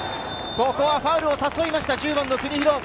ここはファウルを誘いました、国広。